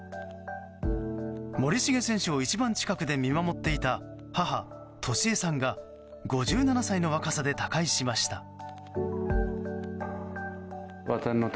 森重選手を一番近くで見守っていた母・俊恵さんが５７歳の若さで他界しました。